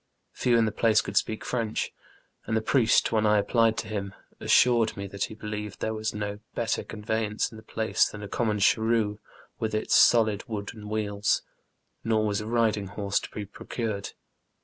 Few in tbe place could speak Frencb, and tbe priest, wben I applied to bim, assured me tbat bo believed tbere was no better conveyance in tbe place tban a common cbarrue witb its solid wooden wbeels; nor was a riding borse to be procured.